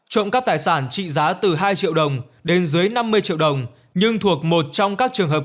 trộm cắp tài sản trị giá từ hai triệu đồng đến dưới năm mươi triệu đồng nhưng thuộc một trong các trường hợp